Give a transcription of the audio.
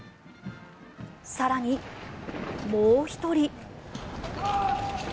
更に、もう１人。